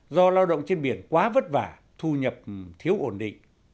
do lao động trên biển quá vất vả thu nhập thiếu ổn định